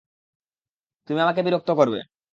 তুমি আমাকে বিরক্ত করবে।